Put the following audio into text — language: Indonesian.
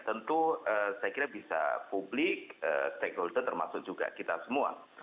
tentu saya kira bisa publik stakeholder termasuk juga kita semua